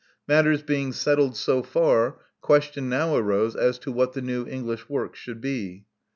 Matters being settled so far, question now arose as to what the new English work should be.